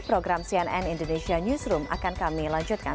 program cnn indonesia newsroom akan kami lanjutkan